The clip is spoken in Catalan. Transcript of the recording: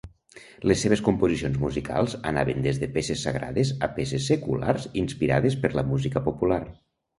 Les seves composicions musicals anaven des de peces sagrades a peces seculars inspirades per la música popular.